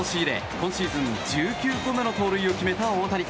今シーズン１９個目の盗塁を決めた大谷。